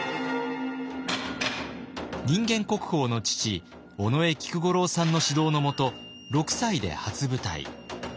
人間国宝の父尾上菊五郎さんの指導のもと６歳で初舞台。